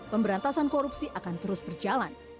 pemberantasan korupsi akan terus berjalan